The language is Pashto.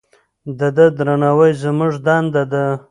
د ده درناوی زموږ دنده ده.